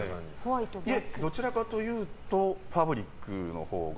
どちらかというとファブリックのほうが。